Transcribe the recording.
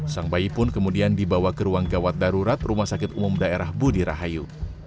sang bayi pun kemudian dibawa ke ruang gawat darurat rumah sakit umum daerah budi rahayu